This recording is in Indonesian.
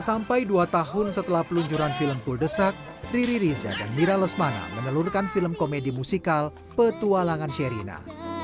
sampai dua tahun setelah peluncuran film puldesak riri riza dan mira lesmana menelurkan film komedi musikal petualangan sherina